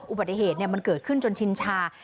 อุบัติเหตุมันเกิดขึ้นจนชินชา